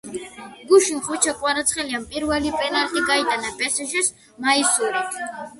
გუშინ ხვიჩა კვარაცხელიამ პირველი პენალტი გაიტანა პესეჟეს მაისურით